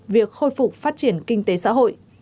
việc khôi phục phát triển kinh tế xã hội